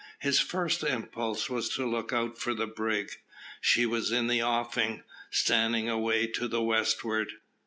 His first impulse was to look out for the brig. She was in the offing, standing away to the westward.